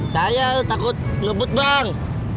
saya takut lebut bang